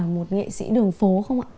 một nghệ sĩ đường phố không ạ